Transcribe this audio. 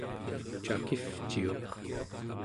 cakivciuq